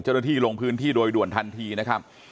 เจ้าหน้าที่ลงพื้นที่โดยด่วนทันทีนะครับ